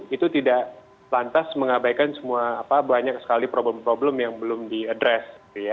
itu tidak lantas mengabaikan semua banyak sekali problem problem yang belum diadres